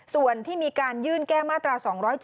ส่วนที่มีการยื่นแก้มาตรา๒๗